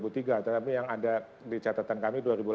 tapi yang ada di catatan kami dua ribu delapan